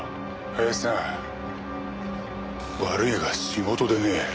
林さん悪いが仕事でね。